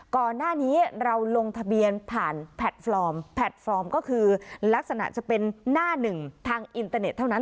ก่อนหน้านี้เราลงทะเบียนผ่านแพลตฟอร์มแพลตฟอร์มก็คือลักษณะจะเป็นหน้าหนึ่งทางอินเตอร์เน็ตเท่านั้น